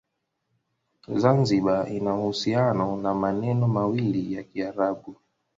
Zanzibar ina uhusiano na maneno mawili ya Kiarabu.